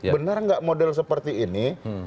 benar nggak model seperti ini